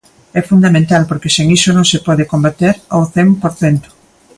É fundamental, porque sen iso non se pode combater ao cen por cento.